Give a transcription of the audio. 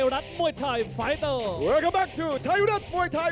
สวัสดีค่ะมุยทายไฟเตอร์สวัสดีครับ